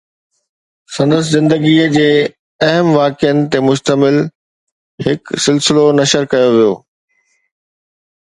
سندس زندگيءَ جي اهم واقعن تي مشتمل هڪ سلسلو نشر ڪيو ويو